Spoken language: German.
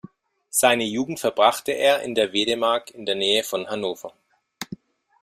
Seine Jugend verbrachte er in der Wedemark in der Nähe von Hannover.